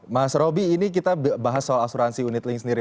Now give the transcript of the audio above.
mas roby ini kita bahas soal asuransi unit link sendiri